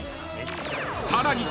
［さらに］